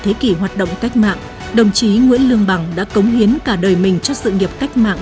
thế kỷ hoạt động cách mạng đồng chí nguyễn lương bằng đã cống hiến cả đời mình cho sự nghiệp cách mạng